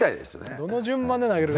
どの順番で投げるか。